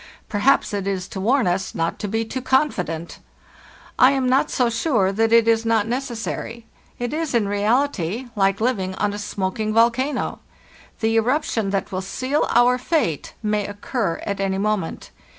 Perhaps it is to warn us not to be too confident! I am not so sure that it is not necessary. It is in reality like living on a smoking volcano. The eruption that will seal our fate may occur at any moment.